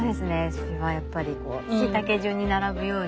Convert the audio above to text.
それはやっぱり背丈順に並ぶように。